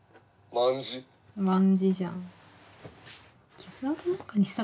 卍じゃん。